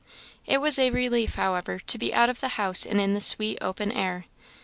It was a relief, however, to be out of the house and in the sweet open air.